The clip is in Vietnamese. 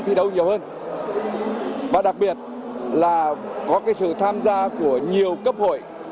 thi đấu nhiều hơn và đặc biệt là có cái sự tham gia của nhiều cấp hội